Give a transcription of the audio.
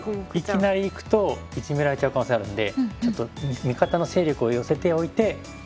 いきなりいくとイジメられちゃう可能性あるんでちょっと味方の勢力を寄せておいて次にいくみたいな。